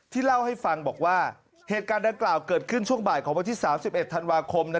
เล่าให้ฟังบอกว่าเหตุการณ์ดังกล่าวเกิดขึ้นช่วงบ่ายของวันที่๓๑ธันวาคม